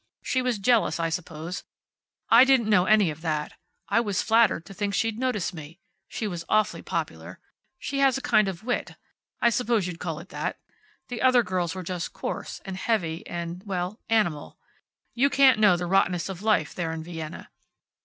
She was jealous, I suppose. I didn't know any of that. I was flattered to think she'd notice me. She was awfully popular. She has a kind of wit. I suppose you'd call it that. The other girls were just coarse, and heavy, and well animal. You can't know the rottenness of life there in Vienna.